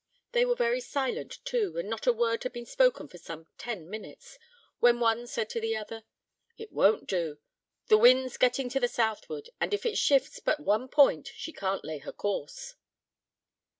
They were very silent, too, and not a word had been spoken for some ten minutes, when one said to the other, "It won't do; the wind's getting to the southward, and if it shifts but one point she can't lay her course."